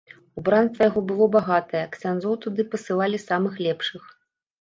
Убранства яго было багатае, ксяндзоў туды пасылалі самых лепшых.